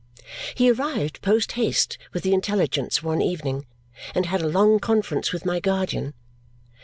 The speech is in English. He arrived post haste with the intelligence one evening, and had a long conference with my guardian.